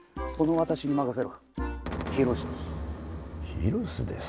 ヒロシです。